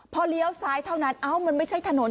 พอเลี้ยวซ้ายเท่านั้นเอ้ามันไม่ใช่ถนน